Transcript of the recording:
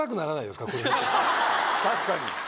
確かに。